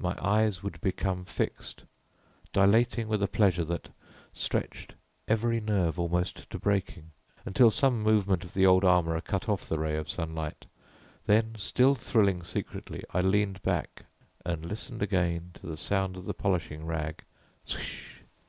My eyes would become fixed, dilating with a pleasure that stretched every nerve almost to breaking, until some movement of the old armourer cut off the ray of sunlight, then, still thrilling secretly, I leaned back and listened again to the sound of the polishing rag, swish!